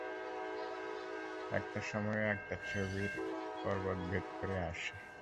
এক সময়ে এটা ছাবীর পর্বত ভেদ করে বের হয়ে আসে।